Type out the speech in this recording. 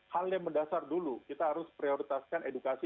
hal yang mendasar dulu kita harus prioritaskan edukasi